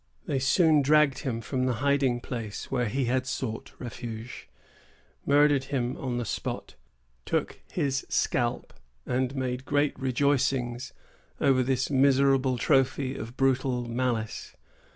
They soon dragged him from the hiding place where he had sought refuge, murdered him on the spot, took his scalp, and made great rejoicings over this miserable trophy of brutal malice.